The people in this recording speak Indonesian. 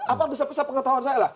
apa bisa pengetahuan saya lah